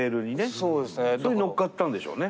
それに乗っかったんでしょうね。